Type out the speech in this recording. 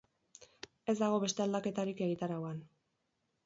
Ez dago beste aldaketarik egitarauan.